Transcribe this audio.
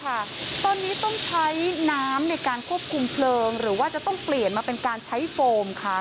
ตอนนี้ต้องใช้น้ำในการควบคุมเพลิงหรือว่าจะต้องเปลี่ยนมาเป็นการใช้โฟมค่ะ